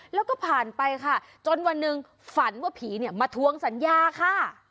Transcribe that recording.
แล้วก็ผ่านไปค่ะจนวันหนึ่งฝันว่าผีเนี่ยมาทวงสัญญาค่ะ